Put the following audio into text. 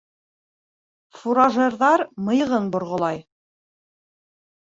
Фуражерҙар мыйығын борғолай.